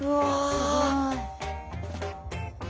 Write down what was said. すごい！